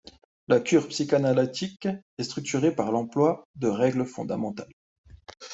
La cure psychanalytique est structurée par l'emploi de règles fondamentales.